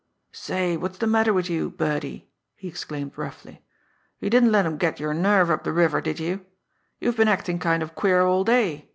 "Say, what's the matter with you, Birdie!" he exclaimed roughly. "You didn't let 'em get your nerve up the river, did you? You've been acting kind of queer all day.